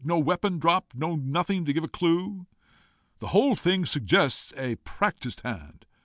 no weapon dropped! nothing to give a clue! The whole thing suggests a practised hand.